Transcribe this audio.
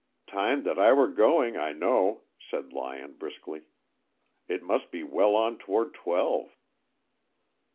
"Time that I were going, I know," said Lyon briskly. "It must be well on toward twelve."